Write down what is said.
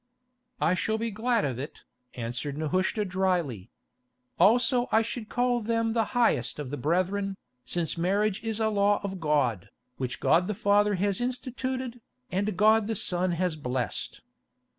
"I shall be glad of it," answered Nehushta drily. "Also I should call them the highest of the brethren, since marriage is a law of God, which God the Father has instituted, and God the Son has blessed."